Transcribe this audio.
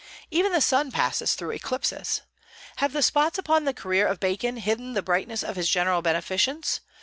Even the sun passes through eclipses. Have the spots upon the career of Bacon hidden the brightness of his general beneficence?